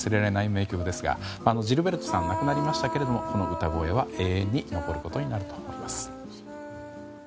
ジルベルトさんは亡くなりましたがこの歌声は永遠に残ることになると思います。